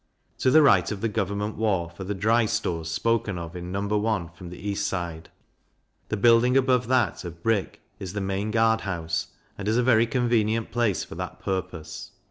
To the right of the Government wharf are the Dry Stores spoken of in No. I. from the east side. The building above that, of brick, is the Main Guard house, and is a very convenient place for that purpose.